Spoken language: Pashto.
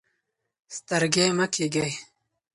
سترګۍ مه کیږئ.